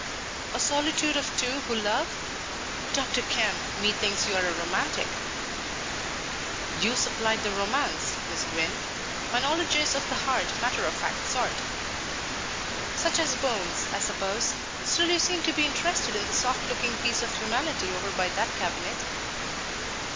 "A solitude of two who love? Dr. Kemp, methinks you are a romantic." "You supplied the romance, Miss Gwynne. My knowledge is of the hard, matter of fact sort." "Such as bones, I suppose. Still you seem to be interested in the soft looking piece of humanity over by that cabinet."